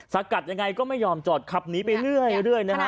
สกัดยังไงก็ไม่ยอมจอดขับหนีไปเรื่อยนะฮะ